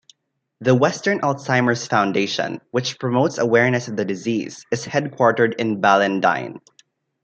The Western Alzheimer's Foundation which promotes awareness of the disease is headquartered in Ballindine.